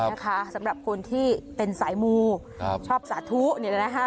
นะคะสำหรับคนที่เป็นสายมูครับชอบสาธุเนี่ยนะคะ